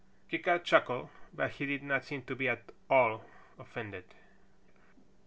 Creaker chuckled, but he did not seem to be at all offended.